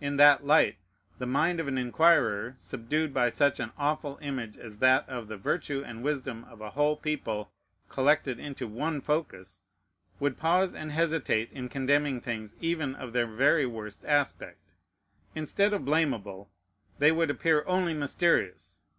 In that light, the mind of an inquirer, subdued by such an awful image as that of the virtue and wisdom of a whole people collected into one focus, would pause and hesitate in condemning things even of the very worst aspect. Instead of blamable, they would appear only mysterious.